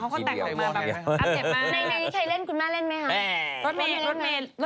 ใครเล่นคุณมาเล่นไหมค่ะ